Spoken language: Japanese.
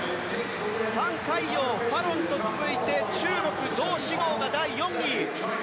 タン・カイヨウファロンと続いて中国、ドウ・シゴウが第４位。